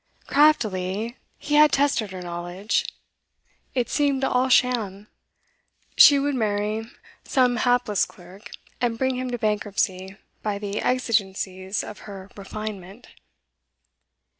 Craftily, he had tested her knowledge; it seemed all sham. She would marry some hapless clerk, and bring him to bankruptcy by the exigencies of her 'refinement.